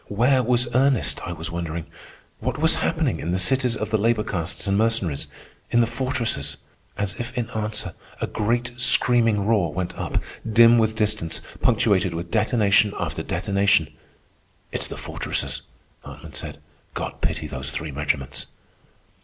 Where was Ernest? I was wondering. What was happening in the cities of the labor castes and Mercenaries? In the fortresses? As if in answer, a great screaming roar went up, dim with distance, punctuated with detonation after detonation. "It's the fortresses," Hartman said. "God pity those three regiments!"